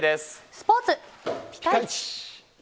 スポーツ、ピカイチ。